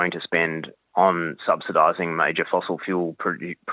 untuk memperoleh pengguna dan pengguna fosil besar